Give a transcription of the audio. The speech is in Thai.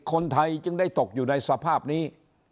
คนไทยจึงได้ตกอยู่ในสภาพนี้